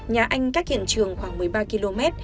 nhà anh cách hiện trường khoảng một mươi ba km